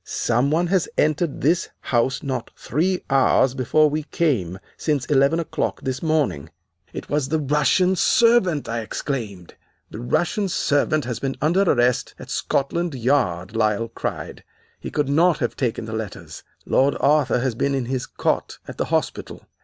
Some one has entered this house not three hours before we came, since eleven o'clock this morning.' "'It was the Russian servant!' I exclaimed. "'The Russian servant has been under arrest at Scotland Yard,' Lyle cried. 'He could not have taken the letters. Lord Arthur has been in his cot at the hospital.